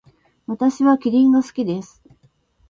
私はキリンが好きです。